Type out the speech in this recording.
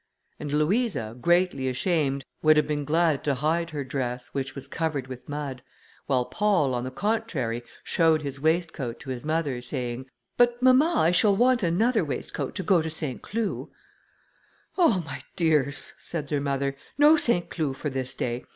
And Louisa, greatly ashamed, would have been glad to hide her dress, which was covered with mud; while Paul, on the contrary, showed his waistcoat to his mother, saying, "But, mamma, I shall want another waistcoat to go to Saint Cloud." "Oh, my dears," said their mother, "no Saint Cloud for this day.